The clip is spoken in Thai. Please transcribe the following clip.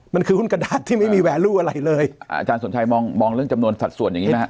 มันคือหุ้นกระดาษที่ไม่มีแวร์รูอะไรเลยอาจารย์สมชัยมองมองเรื่องจำนวนสัดส่วนอย่างนี้ไหมฮ